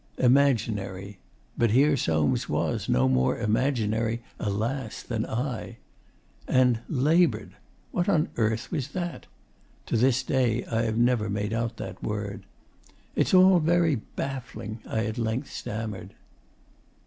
'Immajnari' but here Soames was, no more imaginary, alas! than I. And 'labud' what on earth was that? (To this day, I have never made out that word.) 'It's all very baffling,' I at length stammered.